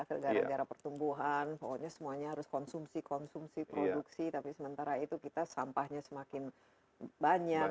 ke gara gara pertumbuhan pokoknya semuanya harus konsumsi konsumsi produksi tapi sementara itu kita sampahnya semakin banyak